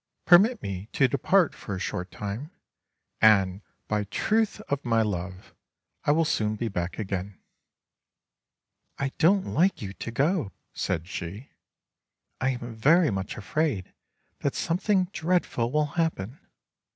Permit me to depart for a short time, and, by the truth of my love, I will soon be back again." "I don't like you to go," said she; *'I am very much afraid that something dreadful will happen.